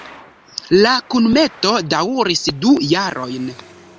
La kunmeto daŭris du jarojn.